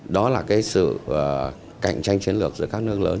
đó là cái sự cạnh tranh chiến lược giữa các nước lớn